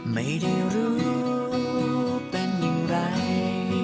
ไม่ได้รู้เป็นอย่างไร